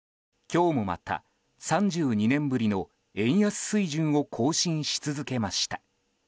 今日もまた３２年ぶりの円安水準を更新し続けました。